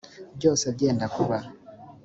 byose byenda kuba